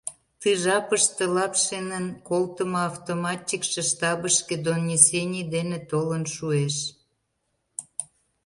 Ты жапыште Лапшинын колтымо автоматчикше штабышке донесений дене толын шуэш.